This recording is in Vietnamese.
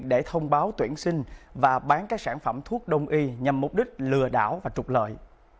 để thông báo tuyển sinh và bán các sản phẩm thuốc đông y nhằm mục đích lừa đảo và trục lợi